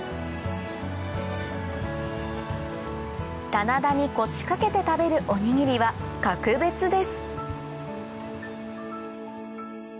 棚田に腰掛けて食べるおにぎりは格別です